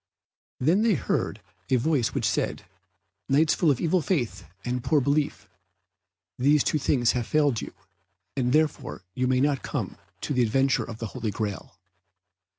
Then they heard a voice which said, "Knights full of evil faith and poor belief, these two things have failed you, and therefore you may not come to the adventure of the Holy Graal."